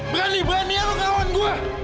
berani berani ya lo kelawan gue